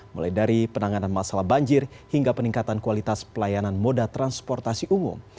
mulai dari penanganan masalah banjir hingga peningkatan kualitas pelayanan moda transportasi umum